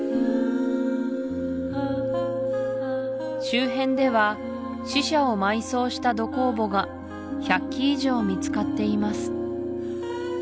周辺では死者を埋葬した土壙墓が１００基以上見つかっています